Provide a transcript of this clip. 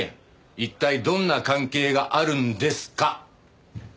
一体どんな関係があるんですか？